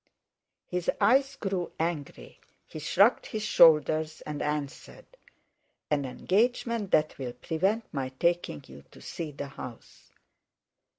His eyes grew angry; he shrugged his shoulders, and answered: "An engagement that will prevent my taking you to see the house!"